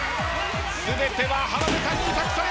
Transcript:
全ては浜辺さんに託された！